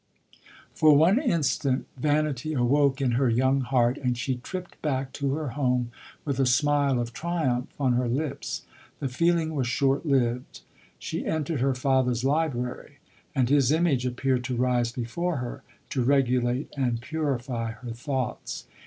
For one instant, vanity awoke in her young heart ; and she tripped back to her home with a smile of triumph on her lips. The feeling was short lived. She entered her father's li brary ; and his image appeared to rise before her, to regulate and purify her thoughts.